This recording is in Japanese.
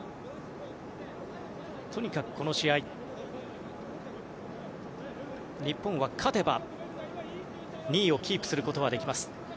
とにかくこの試合、日本は勝てば２位キープすることができます。